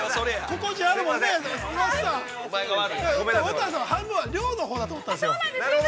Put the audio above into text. ◆乙葉さんは半分は量のほうだと思ったんですよ。